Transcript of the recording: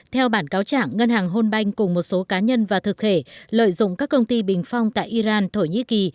theo bản cáo chẳng ngân hàng hôn banh cùng một số cá nhân và thực thể lợi dụng các công ty bình phong tại iran thổ nhĩ kỳ